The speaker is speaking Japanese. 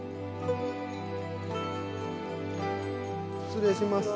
失礼します